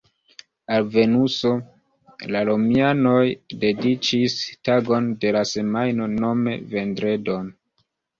Al Venuso la romianoj dediĉis tagon de la semajno, nome vendredon.